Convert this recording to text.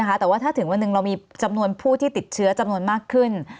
แต่ว่าถ้าถึงวันหนึ่งเรามีจำนวนผู้ที่ติดเชื้อจำนวนมากขึ้น